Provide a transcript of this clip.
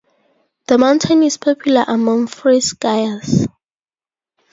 The mountain is popular among freeskiers.